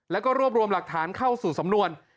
แล้วก็รวบรวมหลักฐานเข้าสู่สำนวน